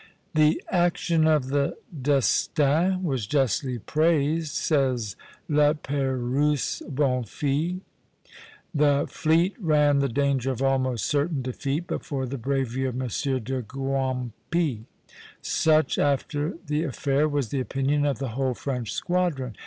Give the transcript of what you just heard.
"The action of the 'Destin' was justly praised," says Lapeyrouse Bonfils. "The fleet ran the danger of almost certain defeat, but for the bravery of M. de Goimpy. Such, after the affair, was the opinion of the whole French squadron.